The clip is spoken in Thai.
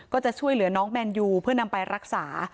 ก็จะช่วยเหลือน้องแมนยูเพื่อนำไปรักษา